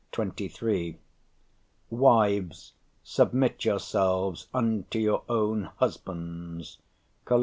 23); "wives, submit yourselves unto your own husbands" (Col.